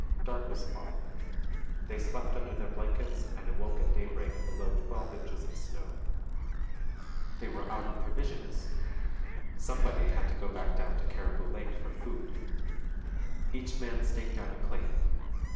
Dark was falling. They slept under their blankets and awoke at daybreak below twelve inches of snow. They were out of provisions. Somebody had to go back down to Cariboo Lake for food. Each man staked out a claim.